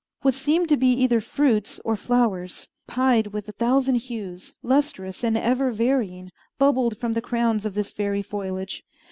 What seemed to be either fruits or flowers, pied with a thousand hues, lustrous and ever varying, bubbled from the crowns of this fairy foliage.